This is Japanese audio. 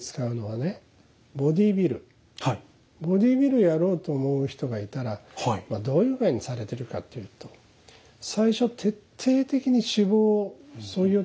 ボディービルやろうと思う人がいたらどういう具合にされてるかっていうと最初徹底的に脂肪をそぎ落としていくでしょ。